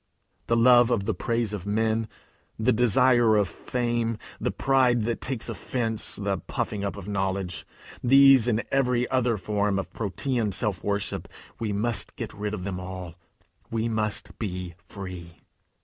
The love of the praise of men, the desire of fame, the pride that takes offence, the puffing up of knowledge, these and every other form of Protean self worship we must get rid of them all. We must be free.